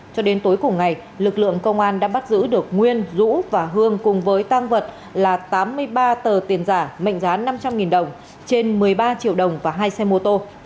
cho đến tối cùng ngày lực lượng công an đã bắt giữ được nguyên dũ và hương cùng với tang vật là tám mươi ba tờ tiền giả mệnh giá năm trăm linh đồng trên một mươi ba triệu đồng và hai xe mô tô